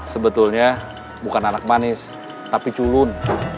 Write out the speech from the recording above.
sebetulnya bukan anak manis tapi culun